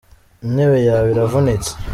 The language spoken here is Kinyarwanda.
Intebe yawe iravunitse.